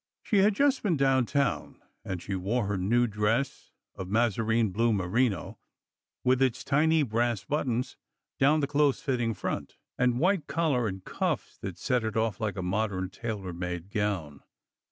She had just been down town, and she wore her new dress of mazarine blue merino, with its tiny brass buttons down the close fitting front, and white collar and cuffs that set it off like a modem tailor made gown.